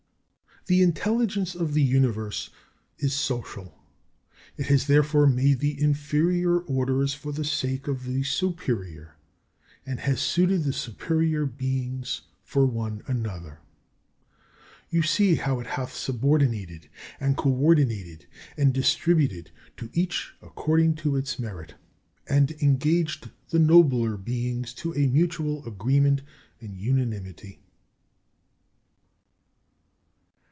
30. The intelligence of the Universe is social. It has therefore made the inferior orders for the sake of the superior; and has suited the superior beings for one another. You see how it hath subordinated, and co ordinated, and distributed to each according to its merit, and engaged the nobler beings to a mutual agreement and unanimity.